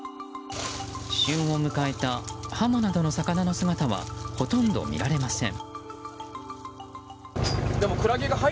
旬を迎えたハモなどの魚の姿はほとんど見られません。